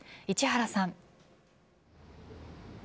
市原さん。